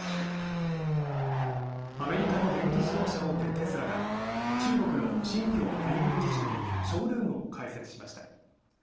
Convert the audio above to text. アメリカの電気自動車大手テスラが中国の新疆ウイグル自治区にショールームを開設しました。